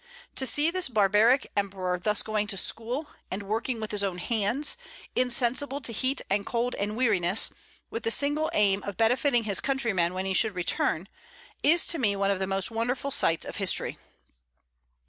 To see this barbaric emperor thus going to school, and working with his own hands, insensible to heat and cold and weariness, with the single aim of benefiting his countrymen when he should return, is to me one of the most wonderful sights of history.